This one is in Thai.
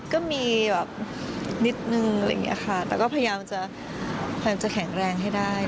ก็มีนิดหนึ่งแต่ก็พยายามจะแข็งแรงให้ได้